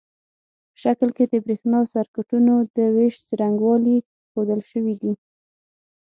په شکل کې د برېښنا سرکټونو د وېش څرنګوالي ښودل شوي دي.